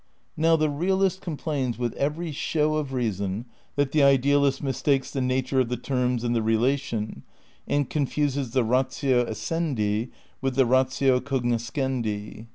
Now the realist complains with every show of reason that the idealist mistakes the nature of the terms and the relation, and confuses the ratio essendi with the ratio cognoscendi.